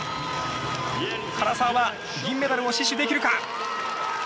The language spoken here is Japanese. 唐澤は銀メダルを死守できるか。